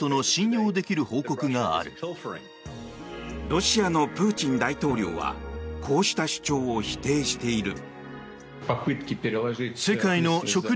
ロシアのプーチン大統領はこうした主張を否定している。